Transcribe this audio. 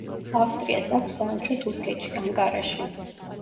ავსტრიას აქვს საელჩო თურქეთში ანკარაში.